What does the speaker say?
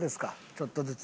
ちょっとずつ。